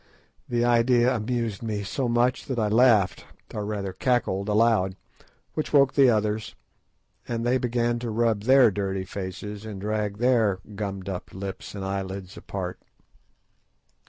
The idea amused me so much that I laughed or rather cackled aloud, which woke the others, and they began to rub their dirty faces and drag their gummed up lips and eyelids apart.